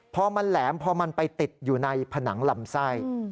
พอมันแหลมพอมันไปติดอยู่ในผนังลำไส้